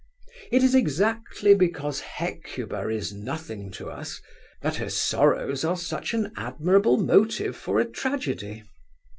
It is exactly because Hecuba is nothing to us that her sorrows are such an admirable motive for a tragedy.